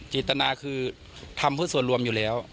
เจตนาคือทำเพื่อส่วนรวมอยู่แล้ว